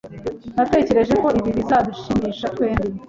Natekereje ko ibi bizadushimisha twembi.